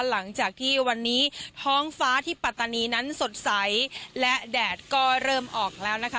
หลังจากที่วันนี้ท้องฟ้าที่ปัตตานีนั้นสดใสและแดดก็เริ่มออกแล้วนะคะ